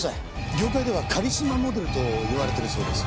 業界ではカリスマモデルと言われてるそうです。